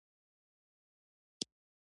وردګ تر برید لاندې د ثناګل اوریاخیل لیکنه ده